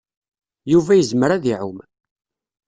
Yuba yezmer ad iɛum.